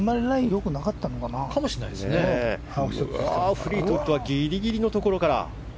フリートウッドはギリギリのところから。